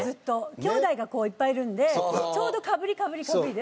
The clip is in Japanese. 兄弟がいっぱいいるのでちょうどかぶりかぶりかぶりで。